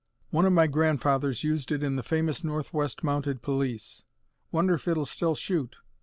One of my grandfathers used it in the famous Northwest Mounted Police. Wonder if it'll still shoot."